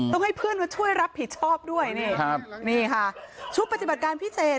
ให้เพื่อนมาช่วยรับผิดชอบด้วยนี่ครับนี่ค่ะชุดปฏิบัติการพิเศษ